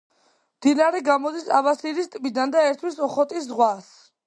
მდინარე გამოდის აბასირის ტბიდან და ერთვის ოხოტის ზღვას.